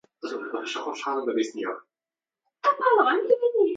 ئێوارە تەلەفۆن، بەیانی تەلەفۆن